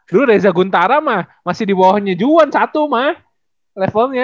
dulu reza guntara mah masih di bawahnya juan satu mah levelnya